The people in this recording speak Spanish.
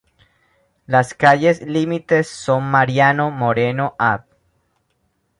Las calles límites son Mariano Moreno, Av.